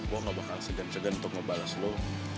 gue enggak bakal segen segen untuk ngebales lo